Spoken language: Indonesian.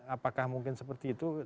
apakah mungkin seperti itu